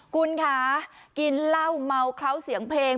คุณคะกินเหล้าเมาเคล้าเสียงเพลง